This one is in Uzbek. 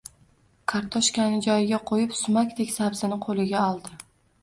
Kartoshkani joyiga qo‘yib, sumakdek sabzini qo‘liga oldi